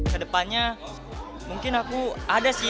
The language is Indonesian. ke depannya mungkin aku ada sih